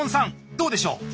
どうでしょう？